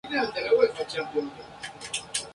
Como entrenador